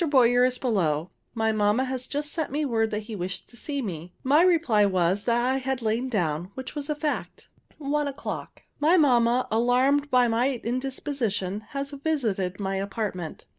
Boyer is below. My mamma has just sent me word that he wished to see me. My reply was, that I had lain down, which was a fact. One o'clock. My mamma, alarmed by my indisposition, has visited my apartment.